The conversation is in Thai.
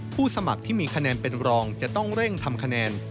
สมัครที่มีคะแนนเป็นรองจะต้องเร่งทำคะแนน